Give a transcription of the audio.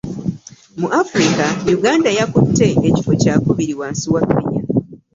Mu Afirika, Uganda yakutte ekifo kyakubiri wansi wa Kenya.